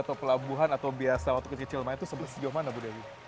atau pelabuhan atau biasa waktu kecil kecil main itu sejauh mana ibu dewi